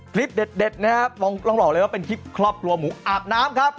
คลิปเด็ดนะครับต้องบอกเลยว่าเป็นคลิปครอบครัวหมูอาบน้ำครับ